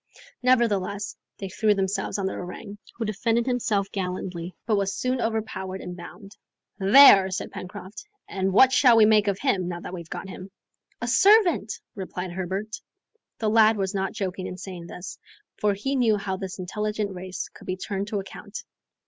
Nevertheless, they threw themselves on the orang, who defended himself gallantly, but was soon overpowered and bound. "There!" said Pencroft. "And what shall we make of him, now we've got him?" "A servant!" replied Herbert. The lad was not joking in saying this, for he knew how this intelligent race could be turned to account.